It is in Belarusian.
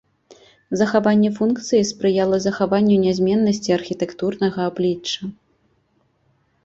Захаванне функцыі спрыяла захаванню нязменнасці архітэктурнага аблічча.